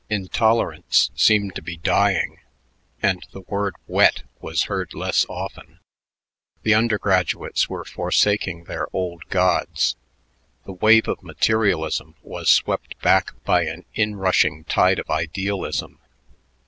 Intolerance seemed to be dying, and the word "wet" was heard less often. The undergraduates were forsaking their old gods. The wave of materialism was swept back by an in rushing tide of idealism.